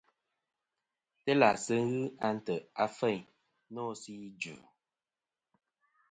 Telàsɨ ghɨ a ntè' afeyn nô sɨ idvɨ̀.